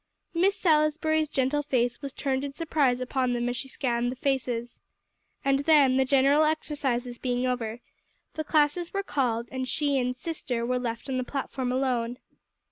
Miss Salisbury's gentle face was turned in surprise upon them as she scanned the faces. And then, the general exercises being over, the classes were called, and she and "sister" were left on the platform alone.